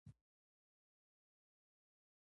د خدای د پاره پښتنو ځانونه وپېژنئ